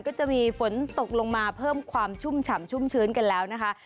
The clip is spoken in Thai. ก็จะมีฝนตกลงมาเพิ่มความชุ่มฉ่ำชุ่มชื้นกันแล้วนะคะ